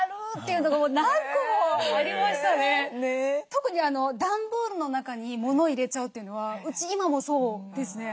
特に段ボールの中に物を入れちゃうというのはうち今もそうですね。